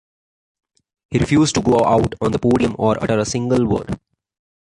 He refused to go out on the podium or utter a single word.